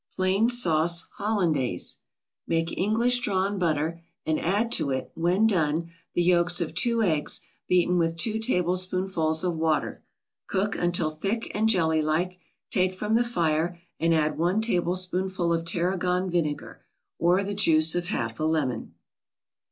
PLAIN SAUCE HOLLANDAISE Make English drawn butter and add to it, when done, the yolks of two eggs beaten with two tablespoonfuls of water; cook until thick and jelly like, take from the fire and add one tablespoonful of tarragon vinegar or the juice of half a lemon.